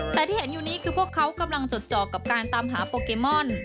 แต่ที่เห็นอยู่นี้คือพวกเขากำลังจดจอกกับการตามหาโปเกมอน